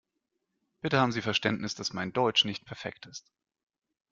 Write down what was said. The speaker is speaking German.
Bitte haben Sie Verständnis, dass mein Deutsch nicht perfekt ist.